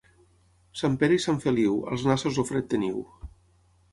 Sant Pere i Sant Feliu, als nassos el fred teniu.